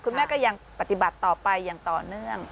คุณแม่ก็ยังปฏิบัติต่อไปอย่างต่อเนื่อง